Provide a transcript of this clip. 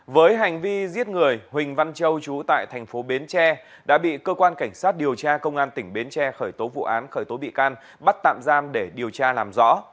với hành vi giết người huỳnh văn châu chú tại thành phố bến tre đã bị cơ quan cảnh sát điều tra công an tỉnh bến tre khởi tố vụ án khởi tố bị can bắt tạm giam để điều tra làm rõ